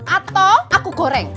atau aku goreng